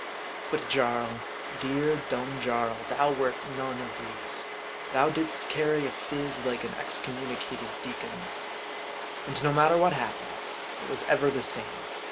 But Jarl, dear, dumb Jarl, thou wert none of these. Thou didst carry a phiz like an excommunicated deacon's. And no matter what happened, it was ever the same.